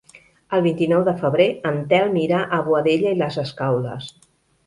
El vint-i-nou de febrer en Telm irà a Boadella i les Escaules.